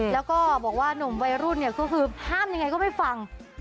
แล้วก็บอกว่าหนุ่มวัยรุ่นเนี่ยก็คือห้ามยังไงก็ไม่ฟัง